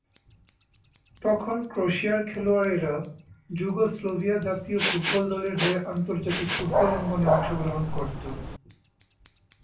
তখন ক্রোয়েশীয় খেলোয়াড়েরা যুগোস্লাভিয়া জাতীয় ফুটবল দলের হয়ে আন্তর্জাতিক ফুটবল অঙ্গনে অংশগ্রহণ করতো।